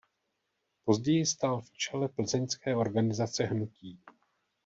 Později stál v čele plzeňské organizace hnutí.